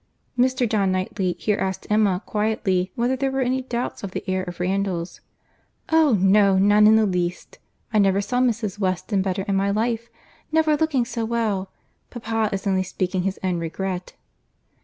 Mr. John Knightley here asked Emma quietly whether there were any doubts of the air of Randalls. "Oh! no—none in the least. I never saw Mrs. Weston better in my life—never looking so well. Papa is only speaking his own regret."